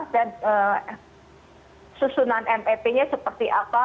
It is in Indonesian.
dan susunan mep nya seperti apa